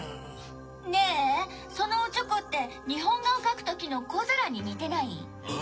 ねぇそのオチョコって日本画を描く時の小皿に似てない？